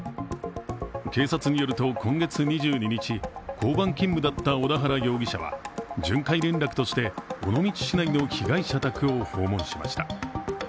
警察によると今月２２日交番勤務だった小田原容疑者は巡回連絡として尾道市内の被害者宅を訪問しました。